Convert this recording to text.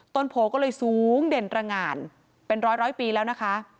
โผล่ก็เลยสูงเด่นตระงานเป็นร้อยปีแล้วนะคะ